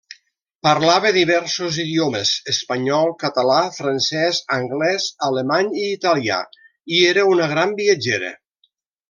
Parlava diversos idiomes: espanyol, català, francès, anglès, alemany i italià i era una gran viatgera.